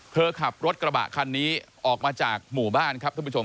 เผอร์ขับรถกระบะคันนี้ออกมาจากหมู่บ้าน